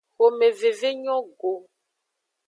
Xomeveve nyo go.